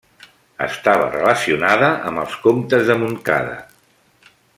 Estava relacionada amb els comtes de Montcada.